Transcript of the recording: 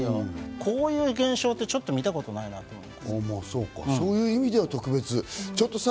こういう現象ってちょっと見たことないなと思って。